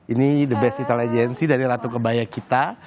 ini the best intelligency dari ratu kebaya kita